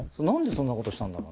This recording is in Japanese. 何でそんなことしたの？